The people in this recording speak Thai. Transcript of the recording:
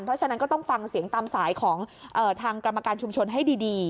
เพราะฉะนั้นก็ต้องฟังเสียงตามสายของทางกรรมการชุมชนให้ดี